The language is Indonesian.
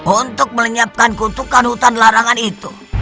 untuk menyiapkan kutukan hutan larangan itu